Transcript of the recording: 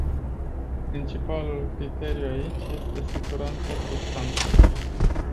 Principalul criteriu aici este siguranța substanțelor.